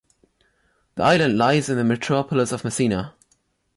The island lies in the metropolis of Messina.